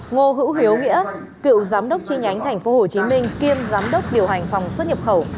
ngô hữu hiếu nghĩa cựu giám đốc chi nhánh tp hcm kiêm giám đốc điều hành phòng xuất nhập khẩu